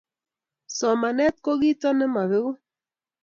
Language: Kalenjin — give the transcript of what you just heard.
Somanet ko kito nemabeku